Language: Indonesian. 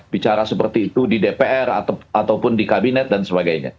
bicara seperti itu di dpr ataupun di kabinet dan sebagainya